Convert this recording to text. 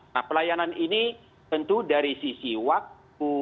nah pelayanan ini tentu dari sisi waktu